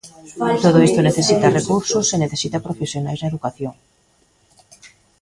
Todo isto necesita recursos e necesita profesionais na educación.